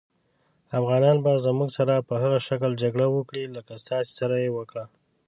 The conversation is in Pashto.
افغانان به زموږ سره په هغه شکل جګړه وکړي لکه ستاسې سره یې وکړه.